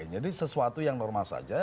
jadi sesuatu yang normal saja